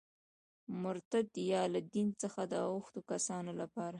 د مرتد یا له دین څخه د اوښتو کسانو لپاره.